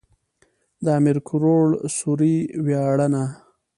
د امير کروړ سوري وياړنه.